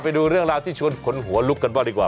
ไปดูเรื่องราวที่ชวนขนหัวลุกกันบ้างดีกว่า